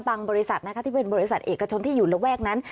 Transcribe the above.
บริษัทนะคะที่เป็นบริษัทเอกชนที่อยู่ระแวกนั้น